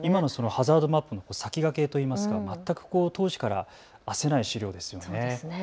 ハザードマップの先駆けといいますか当時からあせない資料ですね。